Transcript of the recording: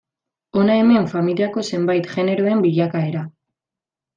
Hona hemen familiako zenbait generoen bilakaera.